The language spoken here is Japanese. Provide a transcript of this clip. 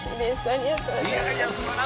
ありがとうございます。